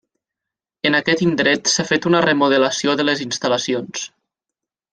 En aquest indret s'ha fet una remodelació de les instal·lacions.